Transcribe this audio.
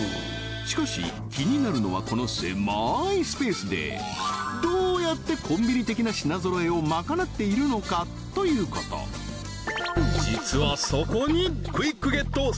しかし気になるのはこの狭いスペースでどうやってコンビニ的な品ぞろえをまかなっているのかということ実はそこにクイックゲット